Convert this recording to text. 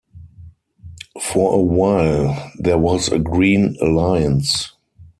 For a while there was a Green Alliance.